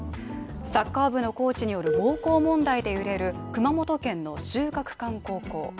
サッカー部のコーチによる暴行問題で揺れる熊本県の秀岳館高校。